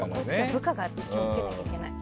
部下が気を付けないといけない。